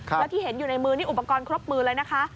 แล้วที่เห็นอยู่ในมือนี่อุปกรณ์ครบมือเลยนะคะ